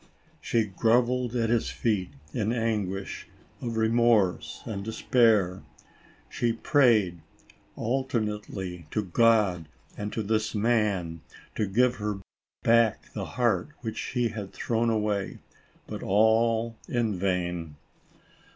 She groveled at his feet, in anguish of re morse and despair; she prayed, alternately, to God and to this man, to give her back the heart, which she had thrown away, — but all in vain.